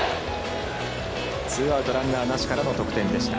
ツーアウト、ランナーなしからの得点でした。